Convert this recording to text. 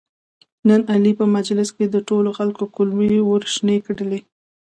نن علي په مجلس کې د ټولو خلکو کولمې ورشنې کړلې.